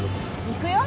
行くよ。